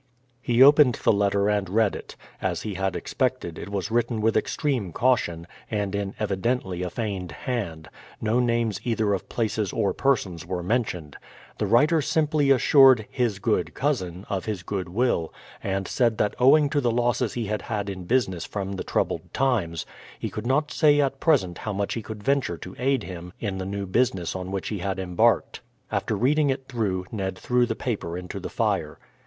He opened the letter and read it. As he had expected, it was written with extreme caution, and in evidently a feigned hand; no names either of places or persons were mentioned. The writer simply assured "his good cousin" of his goodwill, and said that owing to the losses he had had in business from the troubled times, he could not say at present how much he could venture to aid him in the new business on which he had embarked. After reading it through, Ned threw the paper into the fire.